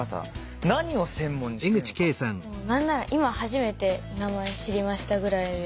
何なら今初めて名前知りましたぐらいで。